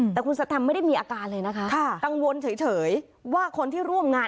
แต่คุณสแตมไม่ได้มีอาการเลยนะคะกังวลเฉยว่าคนที่ร่วมงาน